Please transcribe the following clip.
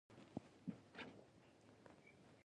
خو یو جګړن راغی او ټول یې خاموشه کړل.